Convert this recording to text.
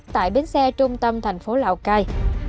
tại bến xe trung tâm thành phố lào cai